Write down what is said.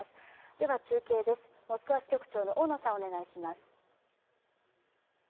では中継です、モスクワ支局長の大野さんお願いします。